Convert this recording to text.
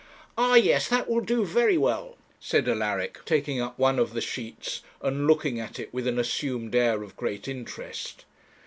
'Ah! yes; that will do very well,' said Alaric, taking up one of the sheets, and looking at it with an assumed air of great interest.